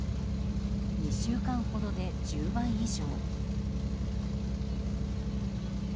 ２週間ほどで、１０倍以上。